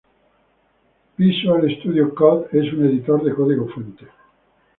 Visual Studio Code es un editor de código fuente.